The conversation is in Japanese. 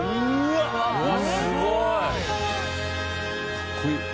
かっこいい。